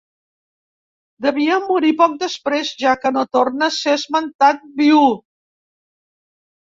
Devia morir poc després, ja que no torna a ser esmentat viu.